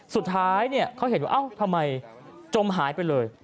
สุดท้ายเขาเห็นว่าเอ้าทำไมจมหายไปเลย